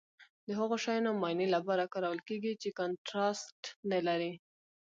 د هغو شیانو معاینې لپاره کارول کیږي چې کانټراسټ نه لري.